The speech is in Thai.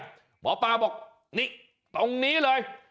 หมอปลาบอกนี่ตรงนี้เลย